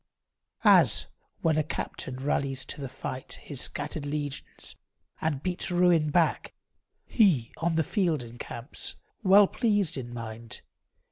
As when a captain rallies to the fight His scattered legions, and beats ruin back, He, on the field, encamps, well pleased in mind.